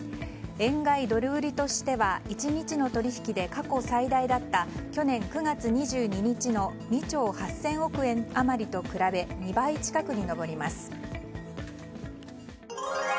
円買いドル売りとしては１日の取引で過去最大だった去年９月２２日の２兆８０００億円余りと比べ２倍近くに上ります。